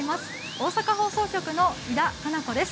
大阪放送局の井田香菜子です。